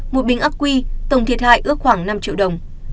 một bình ác quy tổng thiệt hại ước khoảng năm triệu đồng